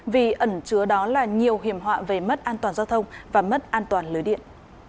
vì ẩn chứa đó là nhiều hiểm họa về mất an toàn giao thông và mất an toàn lưới điện